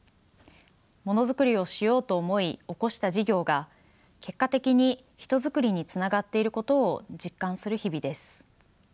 ものづくりをしようと思い興した事業が結果的に人づくりにつながっていることを実感する日々です。